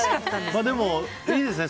でもいいですね。